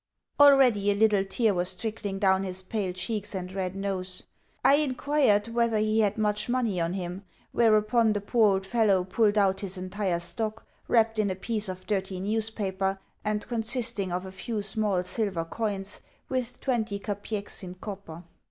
Already a little tear was trickling down his pale cheeks and red nose. I inquired whether he had much money on him; whereupon the poor old fellow pulled out his entire stock, wrapped in a piece of dirty newspaper, and consisting of a few small silver coins, with twenty kopecks in copper.